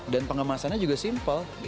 dan pengemasannya juga simpel